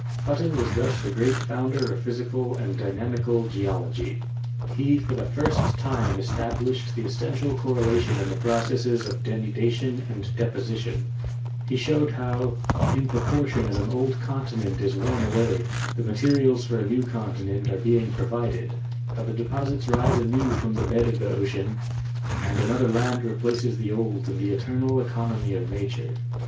Hutton was thus the great founder of physical and dynamical geology; he for the first time established the WERNER AND HUTTON 6$ essential correlation in the processes of denudation and deposition; he showed how, in proportion as an old conti nent is worn away, the materials for a new continent are being provided, how the deposits rise anew from the bed of the ocean, and another land replaces the old in the eternal economy of nature.